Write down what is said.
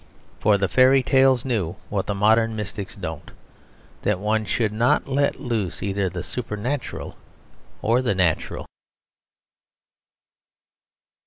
For the fairy tales knew what the modern mystics don't that one should not let loose either the supernatural or the natural.